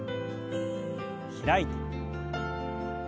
開いて。